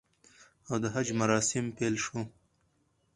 او د حج مراسم پیل شو